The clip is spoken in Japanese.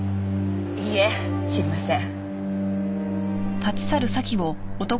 いいえ知りません。